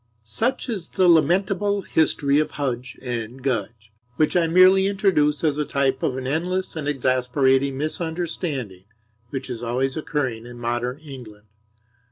Such is the lamentable history of Hudge and Gudge; which I merely introduce as a type of an endless and exasperating misunderstanding which is always occurring in modern England.